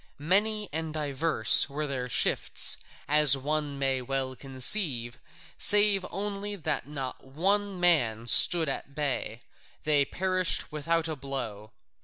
Many and divers were their shifts, as one may well conceive, save only that not one man stood at bay: they perished without a blow.